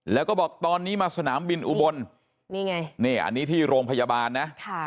แล้วก็บอกตอนนี้มาสนามบินอุบลนี่ไงนี่อันนี้ที่โรงพยาบาลนะ